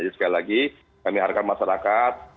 sekali lagi kami harapkan masyarakat